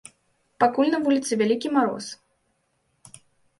Пакуль на вуліцы вялікі мароз.